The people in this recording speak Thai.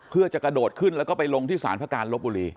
เพื่อจะกระโดดขึ้นแล้วก็ไปลงที่สารพระการลบบุรี